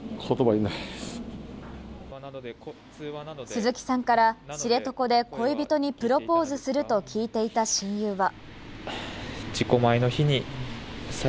鈴木さんから、知床で恋人にプロポーズすると聞いていた親友は。